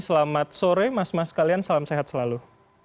selamat sore mas mas kalian salam sehat selalu